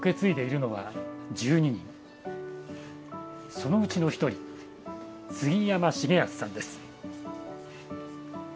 そのうちの一人杉山茂靖さんです。